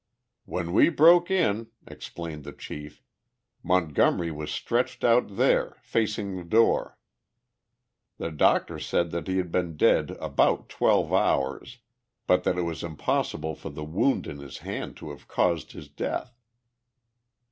"When we broke in," explained the chief, "Montgomery was stretched out there, facing the door. The doctor said that he had been dead about twelve hours, but that it was impossible for the wound in his hand to have caused his death."